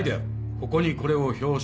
ここにこれを表彰する。